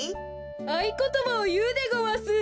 あいことばをいうでごわす。